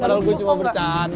padahal gua cuma bercanda